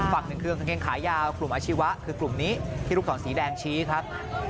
ฝั่งหนึ่งคือกางเกงขายาวกลุ่มอาชีวะคือกลุ่มนี้ที่ลูกศรสีแดงชี้ครับ